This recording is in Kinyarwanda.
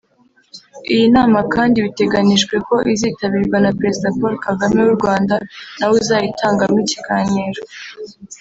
Iyi nama kandi biteganijwe ko izanitabirwa na Perezida Paul Kagame w’u Rwanda na we uzayitangamo ikiganiro